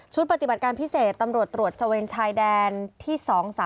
ปฏิบัติการพิเศษตำรวจตรวจตระเวนชายแดนที่๒๓